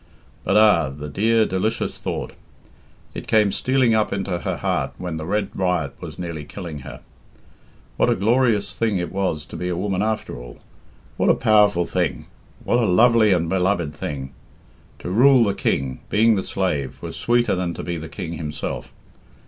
But ah! the dear delicious thought! It came stealing up into her heart when the red riot was nearly killing her. What a glorious thing it was to be a woman after all! What a powerful thing! What a lovely and beloved thing! To rule the king, being the slave, was sweeter than to be the king himself.